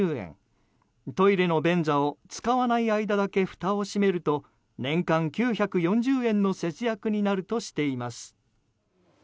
トイレの便座を使わない間だけふたを閉めると年間９４０円の節約になるとしています。